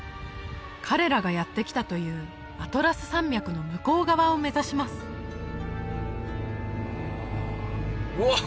彼らがやって来たというアトラス山脈の向こう側を目指しますああ